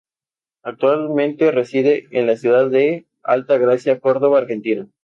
Actualmente reside en la ciudad de Alta Gracia, Córdoba, Argentina.